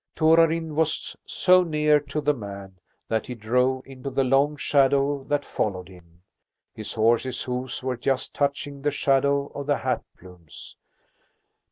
Torarin was so near to the man that he drove into the long shadow that followed him. His horse's hoofs were just touching the shadow of the hat plumes.